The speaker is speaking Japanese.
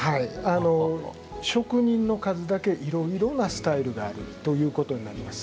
あの職人の数だけいろいろなスタイルがあるということになります。